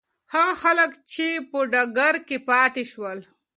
هغه خلک چې په ډګر کې پاتې شول.